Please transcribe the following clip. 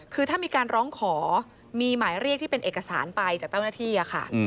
คือถ้ามีการร้องขอมีหมายเรียกที่เป็นเอกสารไปจากเจ้าหน้าที่ค่ะ